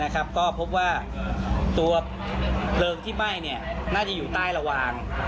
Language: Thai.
ก็พบว่าตัวเพลิงที่ไหม้น่าจะอยู่ใต้ระวาง